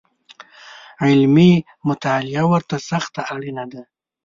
علمي مطالعه ورته سخته اړینه ده